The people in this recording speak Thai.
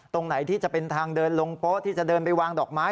ตรงไหนที่จะเป็นทางเดินลงโป๊ะที่จะเดินไปวางดอกไม้